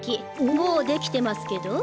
もう出来てますけど？